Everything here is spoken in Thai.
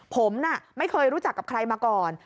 ผมไม่เคยรู้จักกับใครมาก่อน